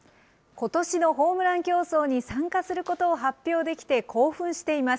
ことしのホームラン競争に参加することを発表できて、興奮しています。